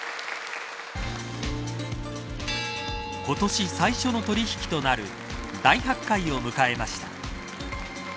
今年最初の取引となる大発会を迎えました。